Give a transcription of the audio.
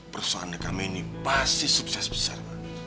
perusahaan rekaman ini pasti sukses besar